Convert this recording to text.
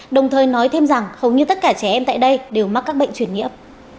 đồng thời nói thêm rằng hầu như tất cả trẻ em tại đây đều mắc các bệnh truyền nhiễm